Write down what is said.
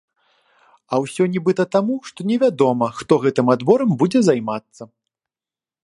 А ўсё нібыта таму, што не вядома, хто гэтым адборам будзе займацца.